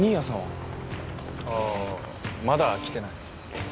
ああ、まだ来てない。